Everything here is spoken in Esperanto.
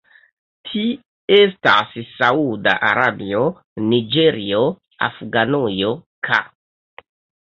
Ti estas Sauda Arabio, Niĝerio, Afganujo ka.